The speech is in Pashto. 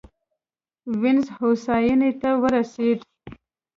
وینز هوساینې ته ورسېد.